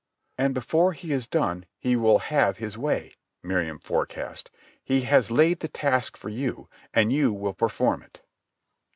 "And before he is done he will have his way," Miriam forecast. "He has laid the task for you, and you will perform it."